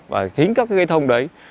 và chính các cái cây thông đấy